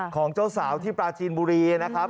ของเจ้าสาวที่ปลาจีนบุรีนะครับ